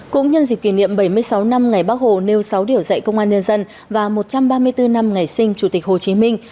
cũng nhân dịp kỷ niệm bảy mươi sáu năm ngày bác hồ nêu sáu điều dạy công an nhân dân và một trăm ba mươi bốn năm ngày sinh chủ tịch hồ chí minh